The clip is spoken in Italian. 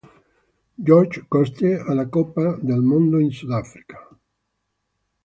Georges Coste, alla Coppa del Mondo in Sudafrica.